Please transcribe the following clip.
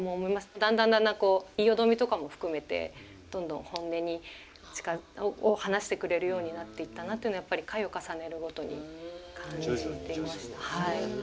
だんだんだんだん言いよどみとかも含めてどんどん本音を話してくれるようになっていったなというのはやっぱり回を重ねるごとに感じていました。